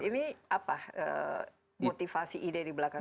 ini apa motivasi ide di belakang